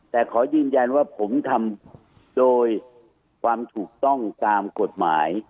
แต่ขอยืนยันว่าผมทำโดยความถูกต้องตามกฎหมาย